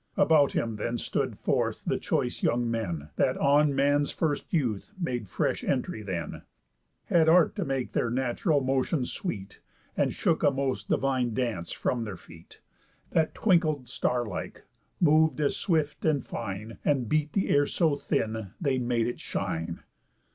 About him then stood forth the choice young men, That on man's first youth made fresh entry then, Had art to make their natural motion sweet, And shook a most divine dance from their feet, That twinkled star like, mov'd as swift, and fine, And beat the air so thin, they made it shine.